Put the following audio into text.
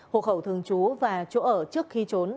hồ khẩu thường chú và chỗ ở trước khi trốn